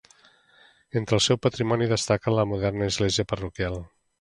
Entre el seu patrimoni destaca la moderna església parroquial.